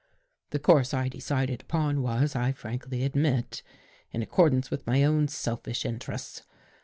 " The course I decided upon was, I frankly ad mit, in accordance with my own selfish interests.